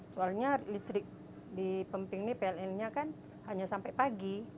soalnya listrik di pemping ini pln nya kan hanya sampai pagi